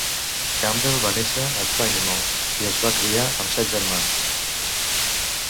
Campbell va néixer a Tynemouth, i es va criar amb set germans.